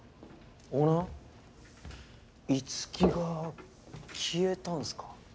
オーナー樹が消えたんすか？